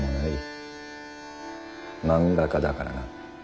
漫画家だからな。